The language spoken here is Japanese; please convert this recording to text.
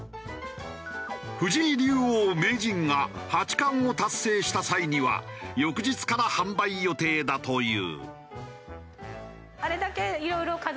藤井竜王・名人が八冠を達成した際には翌日から販売予定だという。